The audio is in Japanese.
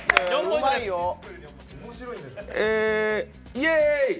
イエーイ！